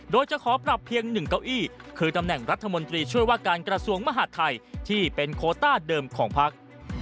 โดยจะขอปรับเพียง๑เก้าอี้คือตำแหน่งรัฐมนตรีช่วยว่าการกระทรวงมหาดไทยที่เป็นโคต้าเดิมของพัก